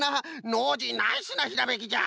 ノージーナイスなひらめきじゃ。